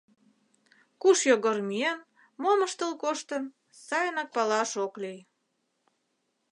Куш Йогор миен, мом ыштыл коштын — сайынак палаш ок лий.